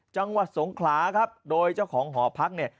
จังหวัดสงขลาครับโดยเจ้าของหอพักเนี่ย